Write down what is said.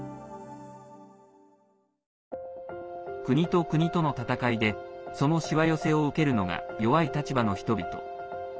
国と国との戦いでそのしわ寄せを受けるのが弱い立場の人々。